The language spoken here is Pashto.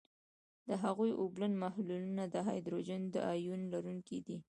د هغوي اوبلن محلولونه د هایدروجن د آیون لرونکي دي.